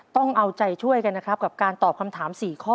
ต้องเอาใจช่วยกันนะครับกับการตอบคำถาม๔ข้อ